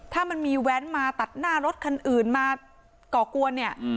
ถ้ามันมีแว้นมาตัดหน้ารถคันอื่นมาก่อกวนเนี่ย